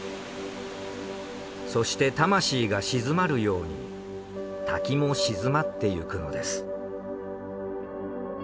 そして魂が鎮まるように滝も鎮まっていくのです。